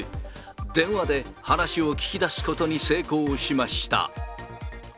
電話で話を聞きだすことに成功しました。